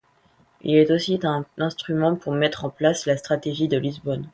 Il est aussi un instrument pour mettre en place la Stratégie de Lisbonne.